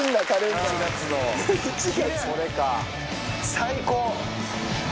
最高！